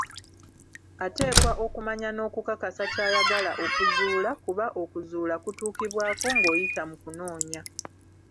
Ateekwa okumanya n'okukakasa ky'ayagala okuzuula, kuba okuzuula kutuukibwako ng'oyita mu kunoonya.